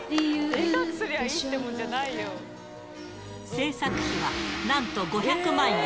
制作費はなんと５００万円。